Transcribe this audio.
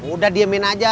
udah diemin aja